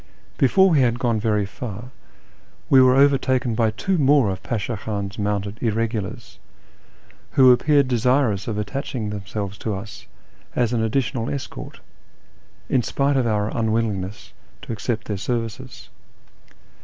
Before we had gone very far we were overtaken by two more of Pasha Khan's mounted irregulars, who appeared desirous of attaching themselves to us as an additional escort, in spite of our unwillingness to accept their services.